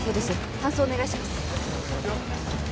搬送お願いします